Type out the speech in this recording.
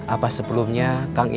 apa sebelumnya kang inim